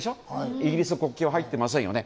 イギリスの国旗は入っていませんよね。